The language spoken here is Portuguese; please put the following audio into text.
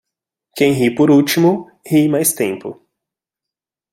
Quem ri por último, ri mais tempo.